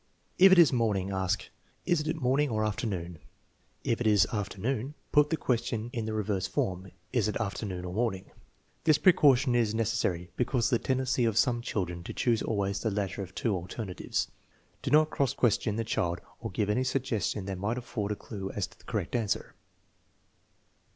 If it is morning, ask: " Is it morning or afternoon ?" If it is afternoon, put the question in the re verse form, " Is it afternoon or morning ?" This precaution is necessary because of the tendency of some children to choose always the latter of two alternatives. Do not cross question the child or give any suggestion that might afford a clue as to the correct answer.